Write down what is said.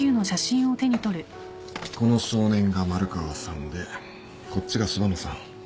この少年が丸川さんでこっちが柴野さん。